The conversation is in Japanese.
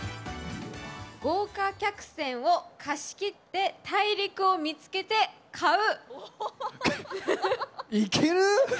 豪華客船を貸し切って大陸を見つけて買う。